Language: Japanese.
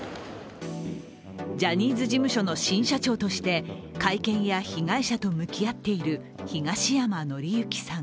ジャニーズ事務所の新社長として、会見や被害者と向き合っている東山紀之さん。